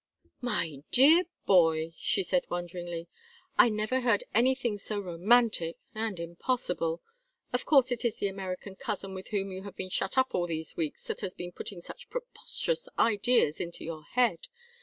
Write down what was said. "My dear boy," she said, wonderingly, "I never heard anything so romantic and impossible. Of course it is the American cousin with whom you have been shut up all these weeks that has been putting such preposterous ideas into your head.